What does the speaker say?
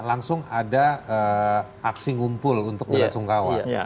langsung ada aksi ngumpul untuk bela sungkawa